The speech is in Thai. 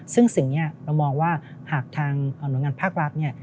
ซึ่งสิ่งนี้เรามองว่าหากทางหน่วยงานภาครัฐเนี่ย